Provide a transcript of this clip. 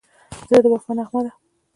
زړه د وفا نغمه ده.